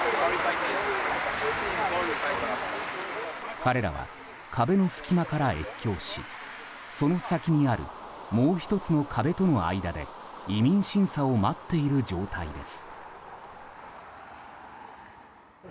彼らは壁の隙間から越境しその先にあるもう１つの壁との間で移民審査を待っている状態です。